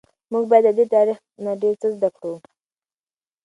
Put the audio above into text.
موږ باید له دې تاریخ نه ډیر څه زده کړو.